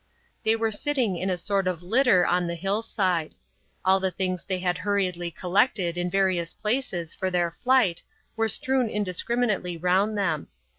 They were sitting in a sort of litter on the hillside; all the things they had hurriedly collected, in various places, for their flight, were strewn indiscriminately round them.